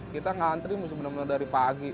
kita ngantri musim bener bener dari pagi